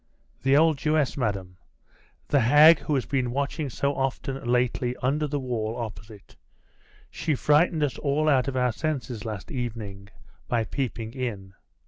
'The old Jewess, madam the hag who has been watching so often lately under the wall opposite. She frightened us all out of our senses last evening by peeping in.